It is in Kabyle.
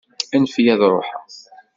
Anef-iyi ad ṛuḥeɣ.